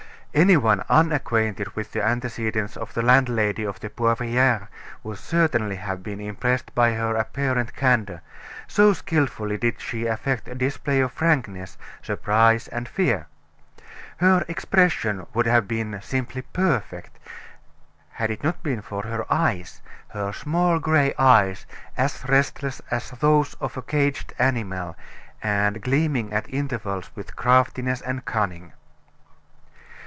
Any one unacquainted with the antecedents of the landlady of the Poivriere would certainly have been impressed by her apparent candor, so skillfully did she affect a display of frankness, surprise, and fear. Her expression would have been simply perfect, had it not been for her eyes, her small gray eyes, as restless as those of a caged animal, and gleaming at intervals with craftiness and cunning.